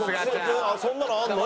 そんなのあるの？